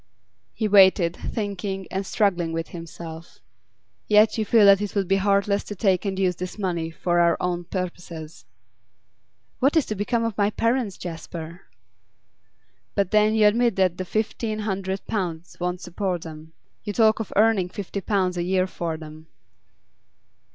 He waited, thinking and struggling with himself. 'Yet you feel that it would be heartless to take and use this money for our own purposes?' 'What is to become of my parents, Jasper?' 'But then you admit that the fifteen hundred pounds won't support them. You talk of earning fifty pounds a year for them.